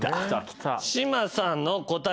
島さんの答え